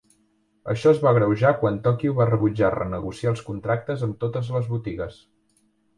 Això es va agreujar quan Tokyu va rebutjar renegociar els contractes amb totes les botigues.